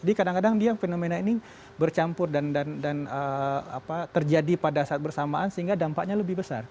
jadi kadang kadang dia fenomena ini bercampur dan terjadi pada saat bersamaan sehingga dampaknya lebih besar